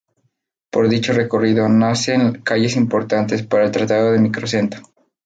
Por dicho recorrido, nacen calles importantes para el trazado del microcentro.